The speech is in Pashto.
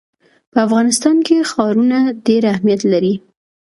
په افغانستان کې ښارونه ډېر اهمیت لري.